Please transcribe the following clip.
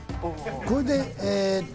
これでえっと。